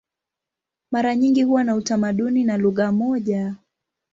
Mara nyingi huwa na utamaduni na lugha moja.